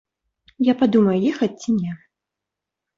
Я падумаю ехаць ці не.